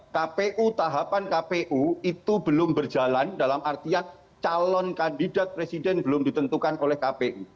kpu tahapan kpu itu belum berjalan dalam artian calon kandidat presiden belum ditentukan oleh kpu